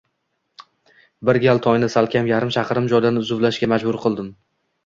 Bir gal Toyni salkam yarim chaqirim joydan zuvlashga majbur qildim.